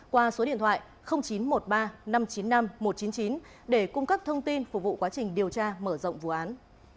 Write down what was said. qua số điện thoại chín trăm một mươi ba năm trăm chín mươi năm một trăm chín mươi chín để cung cấp thông tin phục vụ quá trình điều tra mở rộng vụ án